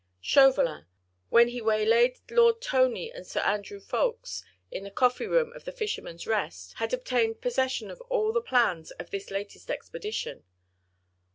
Chauvelin—when he waylaid Lord Tony and Sir Andrew Ffoulkes in the coffee room of "The Fisherman's Rest"—had obtained possession of all the plans of this latest expedition.